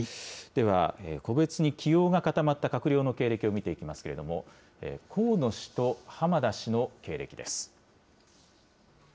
では、個別に起用が固まった閣僚の経歴を見ていきますけれども、河野氏と浜田氏の経歴です。